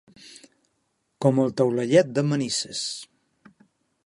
Com el taulellet de Manises.